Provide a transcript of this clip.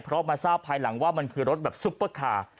เพราะมาทราบภายหลังว่ามันคือรถแบบซุปเปอร์คาร์